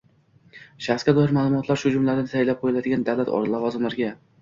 shaxsga doir ma’lumotlar, shu jumladan saylab qo‘yiladigan davlat lavozimlariga